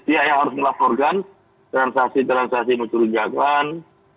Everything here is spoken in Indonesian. dia yang harus melaporkan transaksi transaksi mencuri jagaan